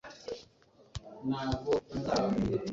gukubitwa rimwe kwukuboko gukomeye byoroshya ububabare bwanjye